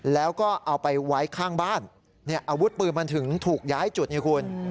แล้วก็เอาไปไว้ข้างบ้านอาวุธปืนมันถึงถูกย้ายจุดอย่างนี้คุณ